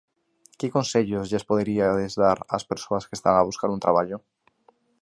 Que consellos lles poderiades dar ás persoas que están a buscar un traballo?